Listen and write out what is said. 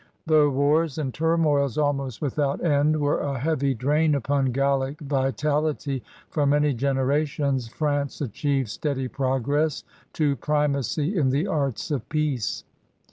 Though wars and turmoils ahnost without end were a heavy drain upon Gallic vitality for many generations, France achieved steady progress to primacy in the arts of peace.